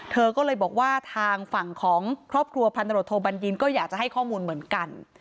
เธอก็เลยบอกว่าทางฝั่งของครอบครัวพันตรวจโทบัญญินก็อยากจะให้ข้อมูลเหมือนกัน